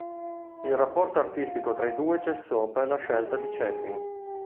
Il rapporto artistico tra i due cessò per scelta di Chaplin.